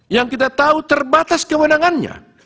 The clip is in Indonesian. yang kita tahu terbatas kewenangannya